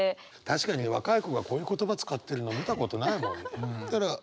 確かに若い子がこういう言葉使ってるの見たことないもん。